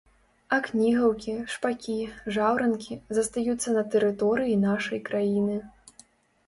А кнігаўкі, шпакі, жаўранкі застаюцца на тэрыторыі нашай краіны.